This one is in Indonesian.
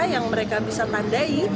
yang mereka bisa tandai